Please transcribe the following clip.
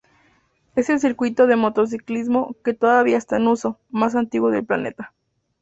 Es el circuito de motociclismo, que todavía está en uso, más antiguo del planeta.